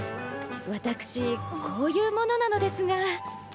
私こういうものなのですが。